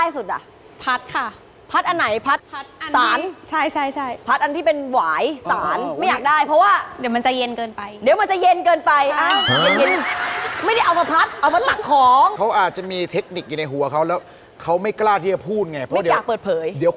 อยู่ที่คุณเลือกแล้วค่ะ๑๙ไม้เลขไหนเดี๋ยว